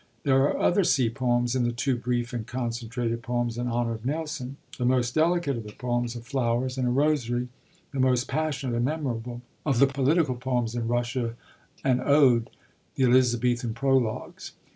There are other sea poems in the two brief and concentrated poems in honour of Nelson; the most delicate of the poems of flowers in A Rosary; the most passionate and memorable of the political poems in Russia: an Ode; the Elizabethan prologues.